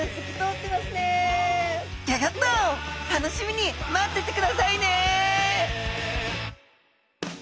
ギョギョッと楽しみにまっててくださいね！